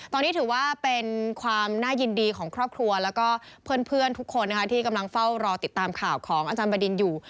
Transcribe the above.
ตอนนี้ถือว่าเป็นความน่ายินดีของครอบครัวแล้วก็เพื่อนทุกคนนะคะที่กำลังเฝ้ารอติดตามข่าวของอาจารย์บดินอยู่